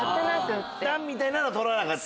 段みたいなのは取らなかった？